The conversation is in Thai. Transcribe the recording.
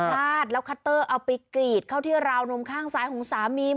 ลาดแล้วคัตเตอร์เอาไปกรีดเข้าที่ราวนมข้างซ้ายของสามี